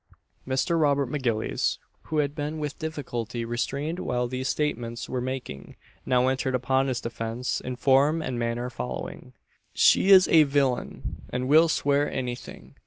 Mr. Robert M'Gillies, who had been with difficulty restrained while these statements were making, now entered upon his defence in form and manner following: "She is a villain, and will swear anything!"